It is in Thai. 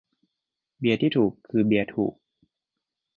"เบียร์ที่ถูกคือเบียร์ถูก"